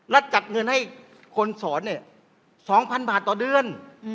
และจัดเงินให้คนสอน๒๐๐๐บาทต่อเดือน